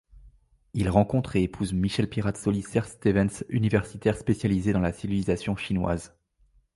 Il rencontre et épouse Michèle Pirazzoli-t'Serstevens, universitaire spécialisée dans la civilisation chinoise.